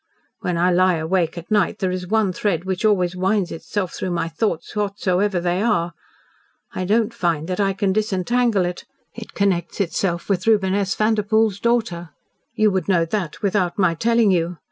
"When I lie awake at night, there is one thread which always winds itself through my thoughts whatsoever they are. I don't find that I can disentangle it. It connects itself with Reuben S. Vanderpoel's daughter. You would know that without my telling you.